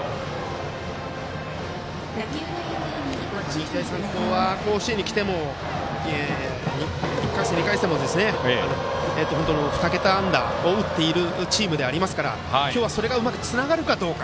日大三高は甲子園に来ても１回戦、２回戦も２桁安打を打っているチームでありますから、今日はそれがうまくつながるかどうか。